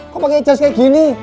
kok pakai jas kayak gini